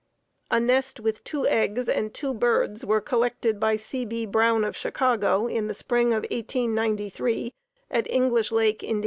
A nest with two eggs and two birds were collected by C. B. Brown of Chicago in the spring of 1893 at English Lake, Ind.